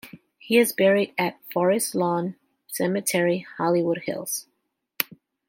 He is buried at Forest Lawn Cemetery, Hollywood Hills.